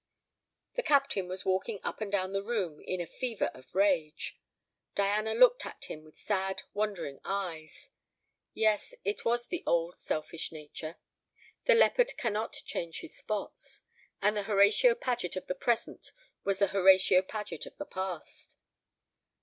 The Captain was walking up and down the room in a fever of rage. Diana looked at him with sad wondering eyes. Yes, it was the old selfish nature. The leopard cannot change his spots; and the Horatio Paget of the present was the Horatio Paget of the past.